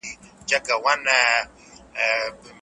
ځان له نورو سره پرتله کول لېونتوب دی.